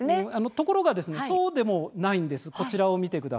ところがそうでもないんです。